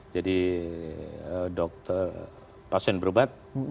jadi dokter pasien berubat